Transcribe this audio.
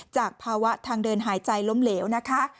จากภาวะทางเดินหายใจล้มเหลวนะคะ